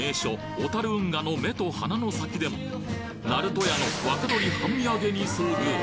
小樽運河の目と鼻の先でもなると屋の若鶏半身揚げに遭遇